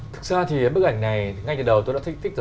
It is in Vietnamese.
thực ra thì bức ảnh này ngay từ đầu tôi đã thích được